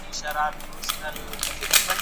مه ځه، ځکه چې ستا شتون زما د درد دارو ده.